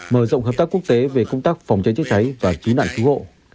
mở rộng hợp tác quốc tế về công tác phòng cháy chữa cháy và cứu nạn cứu hộ